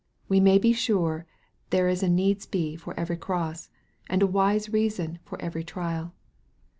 We may be sure there is a needs be for every cross, and a wise reason for every trial.